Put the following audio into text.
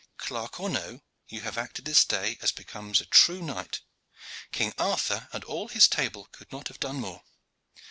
Clerk or no, you have acted this day as becomes a true knight. King Arthur and all his table could not have done more.